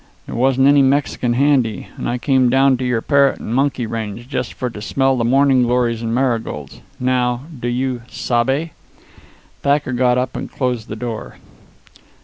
There wasn't any Mexican handy. And I come down to your parrot and monkey range just for to smell the morning glories and marigolds. Now, do you sabe?" Thacker got up and closed the door.